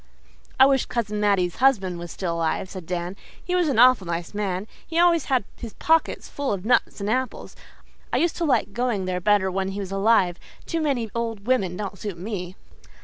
"I wish Cousin Mattie's husband was still alive," said Dan. "He was an awful nice old man. He always had his pockets full of nuts and apples. I used to like going there better when he was alive. Too many old women don't suit me."